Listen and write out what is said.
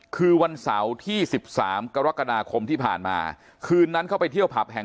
คือวันเสาร์ที่๑๓กรกฎาคมที่ผ่านมาคืนนั้นเข้าไปเที่ยวผับแห่ง